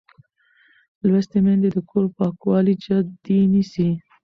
لوستې میندې د کور پاکوالی جدي نیسي.